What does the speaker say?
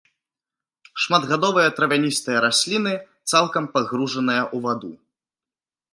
Шматгадовыя травяністыя расліны, цалкам пагружаныя ў ваду.